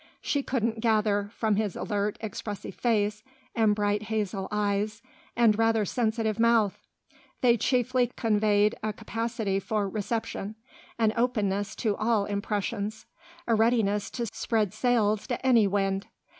She couldn't gather, from his alert, expressive face and bright hazel eyes and rather sensitive mouth: they chiefly conveyed a capacity for reception, an openness to all impressions, a readiness to spread sails to any wind.